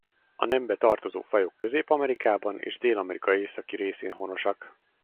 A nembe tartozó fajok Közép-Amerikában és Dél-Amerika északi részén honosak.